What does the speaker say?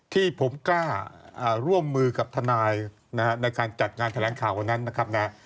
ที่ผมกล้าร่วมมือกับทนายนะฮะในการจัดงานแถลงข่าววันนั้นนะครับนะ